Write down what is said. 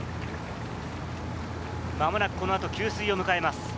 まもなくこのあと給水を迎えます。